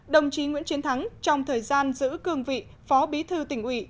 đồng chí nguyễn chiến thắng trong thời gian giữ cương vị phó bí thư tỉnh ủy